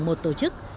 một tổ chức